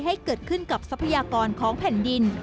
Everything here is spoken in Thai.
ให้เกิดขึ้นกับทรัพยากรของแผ่นดิน